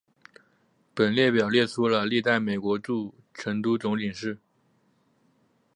本列表列出了历任美国驻成都总领事。